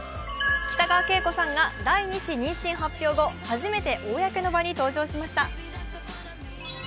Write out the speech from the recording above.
北川景子さんが第２子妊娠発表後、初めて公の場に登場しました。